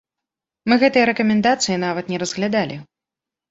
Мы гэтыя рэкамендацыі нават не разглядалі.